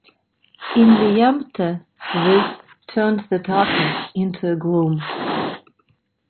In Liempde this turned the darkness into a gloom.